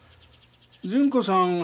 純子さん